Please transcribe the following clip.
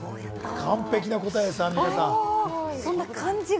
完璧な答えです、アンミカさん。